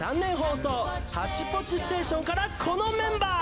「ハッチポッチステーション」からこのメンバー！